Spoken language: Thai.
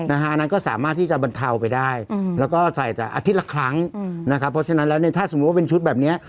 อันนั้นก็สามารถที่จะบรรเทาไปได้แล้วก็ใส่แต่อาทิตย์ละครั้งนะครับเพราะฉะนั้นแล้วเนี่ยถ้าสมมุติว่าเป็นชุดแบบเนี้ย